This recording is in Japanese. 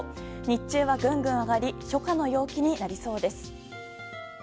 日中はぐんぐん上がり初夏の陽気になりそうです。